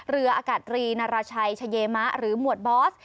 เรืออากาศรีนาราชัยชเยมะหรือหมวดบอส